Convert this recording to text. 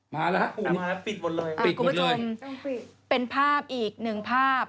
มาแล้วครับมาแล้วปิดหมดเลยปิดหมดเลยต้องปิดเป็นภาพอีกหนึ่งภาพ